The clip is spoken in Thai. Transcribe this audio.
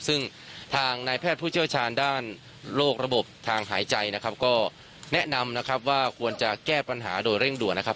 ซึ่งทางนายแพทย์ผู้เชี่ยวชาญด้านโรคระบบทางหายใจนะครับก็แนะนำนะครับว่าควรจะแก้ปัญหาโดยเร่งด่วนนะครับ